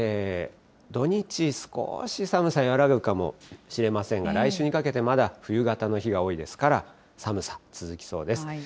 土日、少し寒さ和らぐかもしれませんが、来週にかけて、まだ冬型の日が多いですから、寒さ続きそうです。